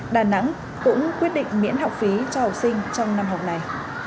đà nẵng cũng quyết định miễn học phí cho học sinh trong năm học này